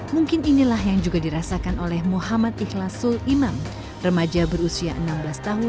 buat yang di rumah hati hati aja ya